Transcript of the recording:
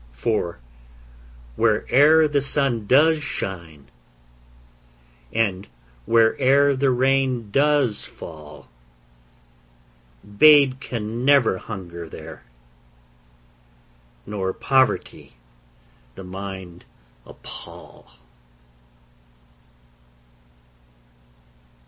For where'er the sun does shine, And where'er the rain does fall, Babe can never hunger there, Nor poverty the mind appal.